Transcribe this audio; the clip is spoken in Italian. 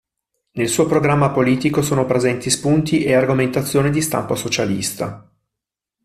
Nel suo programma politico sono presenti spunti e argomentazioni di stampo socialista.